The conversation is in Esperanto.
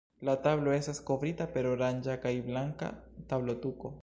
La tablo estas kovrita per oranĝa kaj blanka tablotuko.